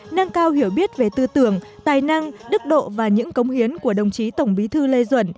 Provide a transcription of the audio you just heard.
nâng cao hiểu biết về tư tưởng tài năng đức độ và những công hiến của đồng chí tổng bí thư lê duẩn